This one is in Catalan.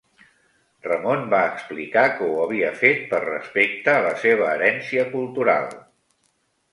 Ramon va explicar que ho havia fet per respecte a la seva herència cultural.